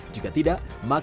jika tidak maka diperlukan